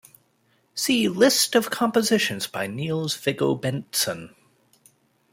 See "List of compositions by Niels Viggo Bentzon"